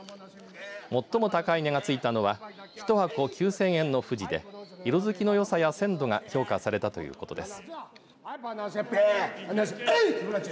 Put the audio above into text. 最も高い値がついたのは一箱９０００円のふじで色づきの良さや鮮度が評価されたということです。